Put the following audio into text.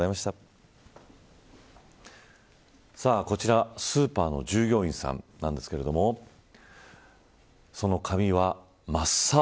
さあこちら、スーパーの従業員さんなんですけれどもその髪は真っ青。